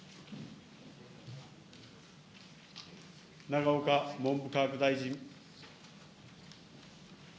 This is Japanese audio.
永岡文部科学大臣。